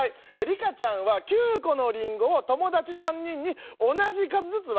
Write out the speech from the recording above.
リカちゃんは９個のリンゴを友達３人に同じ数ずつ分けました。